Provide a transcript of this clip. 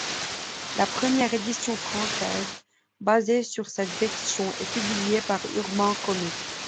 La première édition française, basée sur cette version, est publiée par Urban Comics.